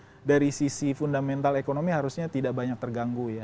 ya dari sisi fundamental ekonomi harusnya tidak banyak terganggu ya